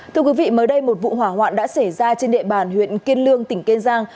thưa quý vị mới đây một vụ hỏa hoạn đã xảy ra trên địa bàn huyện kiên lương tỉnh kiên giang